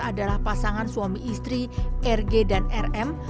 adalah pasangan suami istri rg dan rm